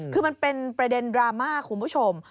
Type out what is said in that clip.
คือมันเป็นประเด็นดราม่าคุณผู้ชม